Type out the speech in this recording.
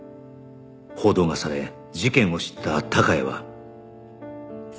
報道がされ事件を知った孝也は